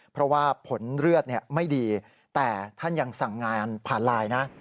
เพราะว่าผลเลือดไม่ดีแต่ท่านยังสั่งงานผ่านไลน์นะ